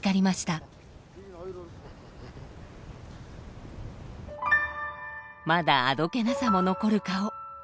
まだあどけなさも残る顔。